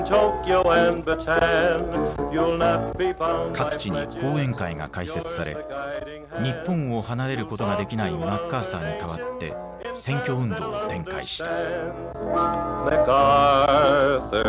各地に後援会が開設され日本を離れることができないマッカーサーに代わって選挙運動を展開した。